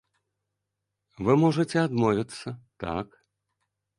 Вы можаце адмовіцца, так.